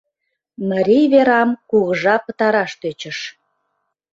Марий верам кугыжа пытараш тӧчыш.